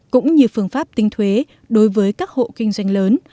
cũng như phương pháp tinh thuế đối với các hộ kinh doanh lớn